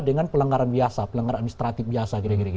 dengan pelenggaran biasa pelenggaran administratif biasa